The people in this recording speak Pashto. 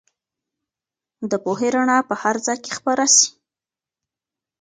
د پوهې رڼا به هر ځای خپره سي.